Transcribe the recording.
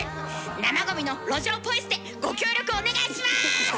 生ゴミの路上ポイ捨てご協力お願いします！